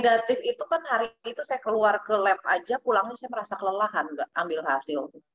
negatif itu kan hari itu saya keluar ke lab aja pulangnya saya merasa kelelahan nggak ambil hasil